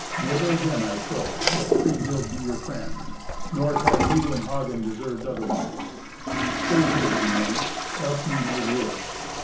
Never again, I trow, will Kriemhild be your friend, nor have you and Hagen deserved otherwise. Stay here, ye knights, else ye may rue it.